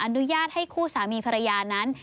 อนุญาตให้คู่สามีภรรยานั้น